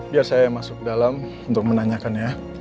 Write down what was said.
biar saya masuk ke dalam untuk menanyakan ya